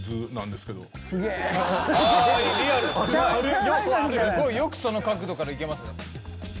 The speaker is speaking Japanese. すごい。よくその角度からいけますね。